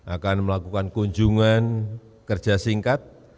akan melakukan kunjungan kerja singkat